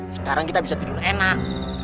sekarang kita bisa tidur enak